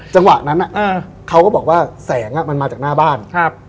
จังหวะนั้นเขาก็บอกว่าแสงอ่ะมันมาจากหน้าบ้านครับ